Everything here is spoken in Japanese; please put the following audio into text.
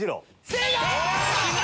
正解！